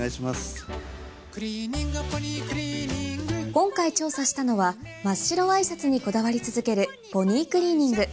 今回調査したのは真っ白ワイシャツにこだわり続けるポニークリーニング